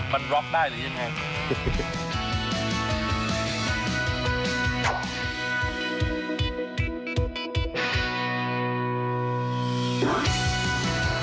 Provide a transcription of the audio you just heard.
มันร็อกได้หรือยังไง